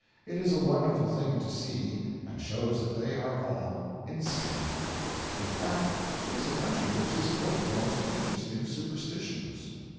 It is a wonderful thing to see, and shows that they are all insane. In fact, it is a country which is full of the most interesting superstitions.